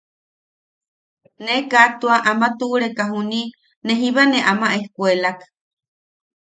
Ne kaa tua ama tuʼureka juni ne jiba ne ama ejkuelak.